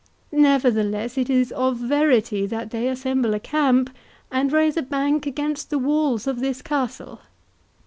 Nevertheless, it is of verity that they assemble a camp, and raise a bank against the walls of this castle."